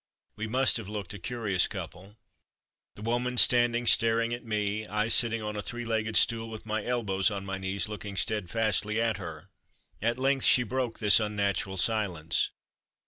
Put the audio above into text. We must have looked a curious couple. The woman standing staring at me, I sitting on a three legged stool, with my elbows on my knees looking steadfastly at her. At length she broke this unnatural silence.